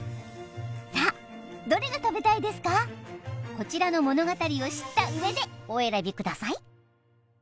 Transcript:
こちらの物語を知った上でお選びください